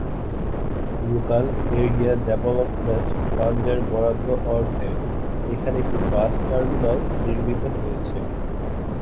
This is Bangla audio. লোকাল এরিয়া ডেভেলপমেন্ট ফান্ডের বরাদ্দ অর্থে এখানে একটি বাস টার্মিনাস নির্মিত হয়েছে।